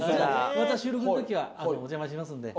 また収録の時はお邪魔しますんで。